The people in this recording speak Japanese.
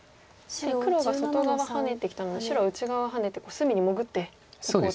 黒が外側ハネてきたので白は内側ハネて隅に潜っていこうと。